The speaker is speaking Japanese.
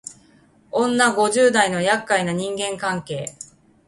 女五十代のやっかいな人間関係